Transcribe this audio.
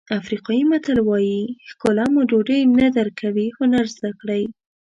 افریقایي متل وایي ښکلا مو ډوډۍ نه درکوي هنر زده کړئ.